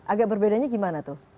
agak berbedanya gimana tuh